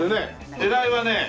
狙いはね